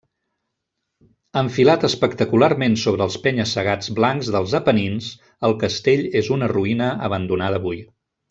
Enfilat espectacularment sobre els penya-segats blancs dels Apenins, el castell és una ruïna abandonada avui.